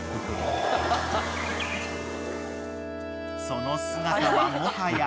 ［その姿はもはや］